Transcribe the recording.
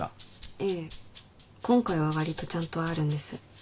ええ今回は割とちゃんとあるんです。